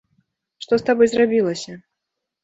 Што з табой зрабілася?